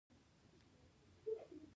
په غلط دلیل استدلال کول ښه نه دي.